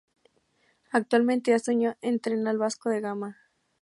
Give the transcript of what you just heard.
Actualmente, este año, entrena al Vasco da Gama.